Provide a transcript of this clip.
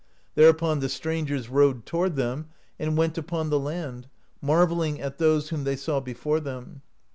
Thereupon the strangers rowed to ward them, and went upon the land, marvelling at those w^hom they saw before them.